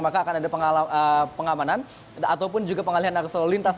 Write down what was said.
maka akan ada pengamanan ataupun juga pengalihan arus lalu lintas